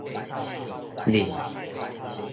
輾